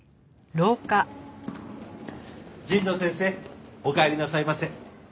神野先生おかえりなさいませ。